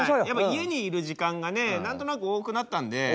やっぱ家にいる時間がね何となく多くなったんで。